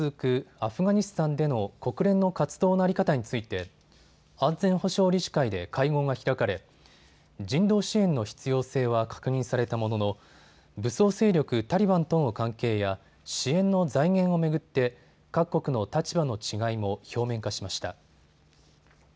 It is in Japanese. アフガニスタンでの国連の活動の在り方について安全保障理事会で会合が開かれ人道支援の必要性は確認されたものの、武装勢力タリバンとの関係や支援の財源を巡って各国の立場の違いも表面化しました。